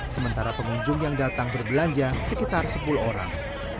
sementara pengunjung yang datang berbelanja sekitar sepuluh orang